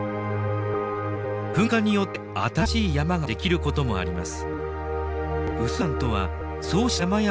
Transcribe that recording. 噴火によって新しい山ができることもあります。